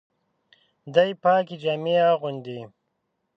دی پاکي جامې اغوندي.